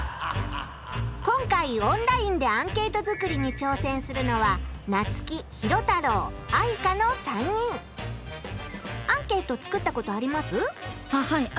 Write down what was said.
今回オンラインでアンケート作りにちょうせんするのはアンケート作ったことあります？